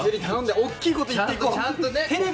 大きいこと言っていこう。